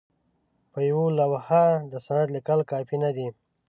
په یوه لوحه د سند لیکل کافي نه دي.